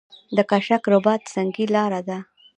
د کشک رباط سنګي لاره ده